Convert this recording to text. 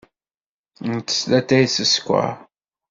Ntess latay s sskeṛ.